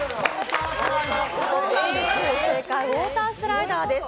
正解ウォータースライダーです。